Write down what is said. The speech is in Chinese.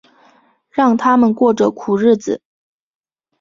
让他们过着苦日子